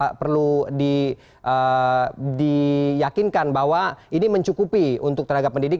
jadi proses vaksin juga perlu diyakinkan bahwa ini mencukupi untuk tenaga pendidik